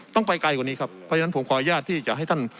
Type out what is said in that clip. ต้องไปไกลกว่านี้ครับเพราะฉะนั้นผมขออนุญาตที่จะให้ท่าน